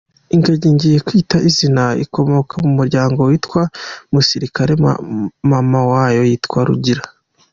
Ingagi ngiye kwita izina ikomoka mu muryango witwa Musirikare, mama wayo yitwa Rugira.